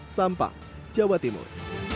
sampang jawa timur